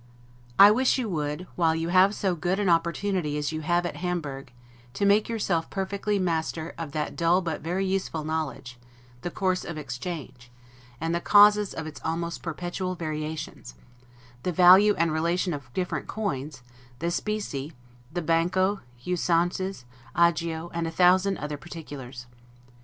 I wish you would (while you have so good an opportunity as you have at Hamburg) make yourself perfectly master of that dull but very useful knowledge, the course of exchange, and the causes of its almost perpetual variations; the value and relation of different coins, the specie, the banco, usances, agio, and a thousand other particulars.